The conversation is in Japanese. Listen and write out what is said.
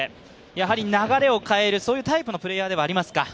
やはり流れを変えるタイプのプレーヤーではありますか？